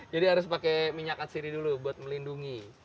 jadi harus pakai minyak atsiri dulu buat melindungi